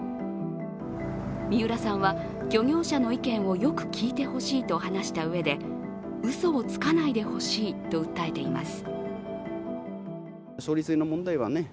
三浦さんは漁業者の意見をよく聞いてほしいと話したうえでうそをつかないでほしいと訴えています。